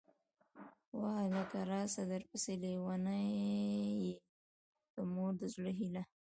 واه هلکه!!! راسه درپسې لېونۍ يه ، د مور د زړه هيلهٔ